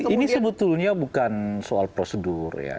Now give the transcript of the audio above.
ini sebetulnya bukan soal prosedur ya